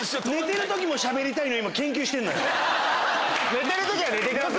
寝てる時は寝てください。